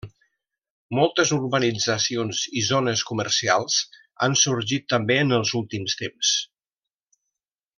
Moltes urbanitzacions i zones comercials han sorgit també en els últims temps.